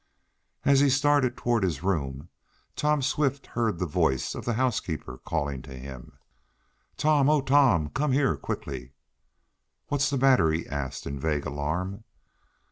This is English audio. As he started toward his room Tom Swift heard the voice of the housekeeper calling to him: "Tom! Oh, Tom! Come here, quickly!" "What's the matter?" he asked, in vague alarm.